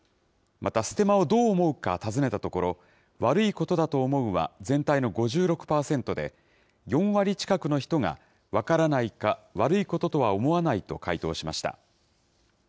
またステマをどう思うか尋ねたところ、悪いことだと思うは、全体の５６％で、４割近くの人が分からないか、悪いこととは思わないと回答しました。